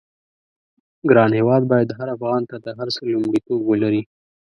ګران هېواد بايد هر افغان ته د هر څه لومړيتوب ولري.